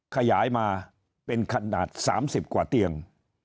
ขยายมาเป็นขนาด๓๐กว่าเตียง